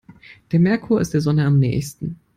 Der Merkur ist der Sonne am nähesten.